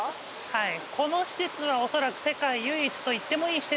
はい。